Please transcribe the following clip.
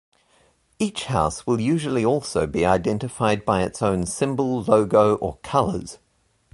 Each house will usually also be identified by its own symbol, logo, or colours.